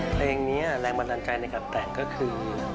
เพลงนี้แรงบันดาลใจในการแต่งก็คือ